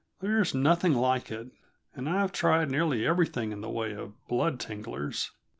There's nothing like it and I've tried nearly everything in the way of blood tinglers.